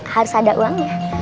harus ada uangnya